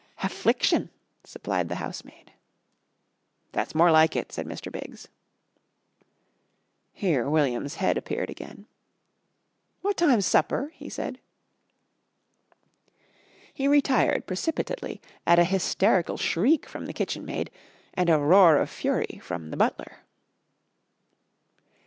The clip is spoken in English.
"Haffliction," supplied the housemaid. "That's more like it," said Mr. Biggs. Here William's head appeared again. "Wot time's supper?" he said. He retired precipitately at a hysterical shriek from the kitchen maid and a roar of fury from the butler.